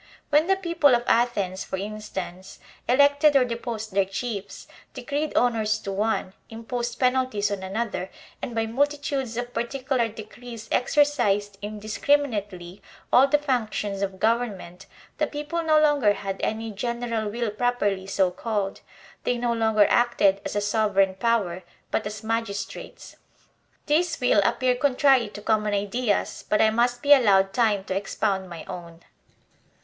When the peo ple of Athens, for instance, elected or deposed their chiefs, decreed honors to one, imposed penalties on an other, and by multitudes of particular decrees exercised indiscriminately all the functions of government, the people no longer had any general will properly so called; they no longer acted as a sovereign i>ower, but as mag istrates. This will appear contrary to common ideas, but I must be allowed time to expound my own.